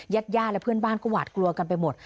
ญาติญาติและเพื่อนบ้านก็หวาดกลัวกันไปหมด